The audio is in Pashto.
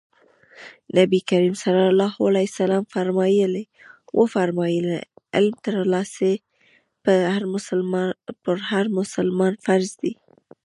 نبي کريم ص وفرمايل علم ترلاسی په هر مسلمان فرض دی.